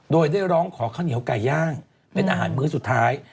โดยได้ร้องขอข้าวเหนียวไก่ย่างเป็นอาหารมื้อสุดท้าย